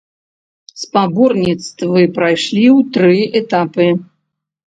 Спаборніцтвы прайшлі ў тры этапы.